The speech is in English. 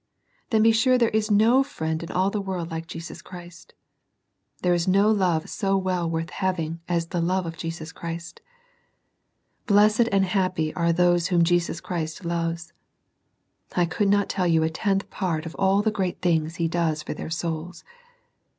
Then be sure there is no friend in all the world like Jesus Christ. There is no love so well worth having as the love of Jesus Christ. Blessed and happy are those whom Jesus Christ loves. I could not tell you a tenth part of all the great things He does for their souls.